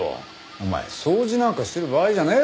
お前掃除なんかしてる場合じゃねえだろ！